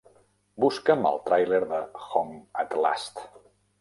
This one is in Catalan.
Busca'm el tràiler de Home at Last.